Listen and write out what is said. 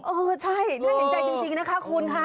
เออใช่น่าเห็นใจจริงนะคะคุณค่ะ